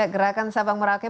gerakan sabang merauke